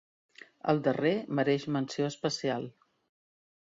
El darrer mereix menció especial.